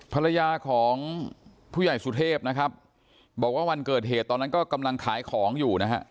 ภรรยาของผู้ใหญ่สุเทพนะครับบอกว่าวันเกิดเหตุตอนนั้นก็กำลังขายของอยู่นะฮะ